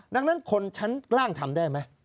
ดังนั้นคนชั้นล่างทำได้ไหม